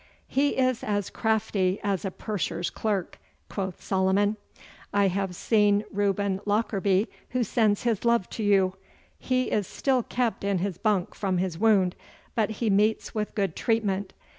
'He is as crafty as a purser's clerk,' quoth Solomon. 'I have seen Reuben Lockarby, who sends his love to you. He is still kept in his bunk from his wound, but he meets with good treatment.